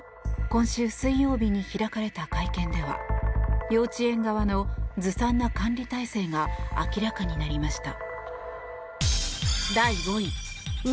今週水曜日に開かれた会見では幼稚園側のずさんな管理体制が明らかになりました。